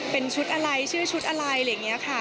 เป็นชุดอะไรชื่อชุดอะไรอะไรอย่างนี้ค่ะ